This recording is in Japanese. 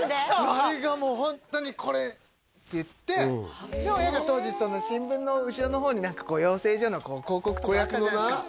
あれがもうホントに「これ！」って言ってで親が当時新聞の後ろの方に何かこう養成所の広告とかあったじゃないですか？